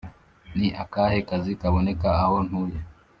Ni akahe kazi kaboneka aho ntuye